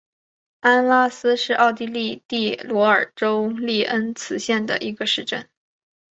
安拉斯是奥地利蒂罗尔州利恩茨县的一个市镇。